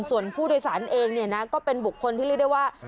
ส่วนผู้โดยสารเองเนี่ยนะก็เป็นบุคคลที่เรียกได้ว่า